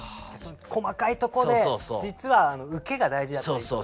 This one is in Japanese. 細かいとこで実は受けが大事だったり。